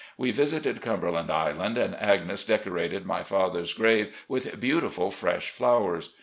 We visited Cumber land Island, and Agnes decorated my father's grave with beautiful fresh flowers.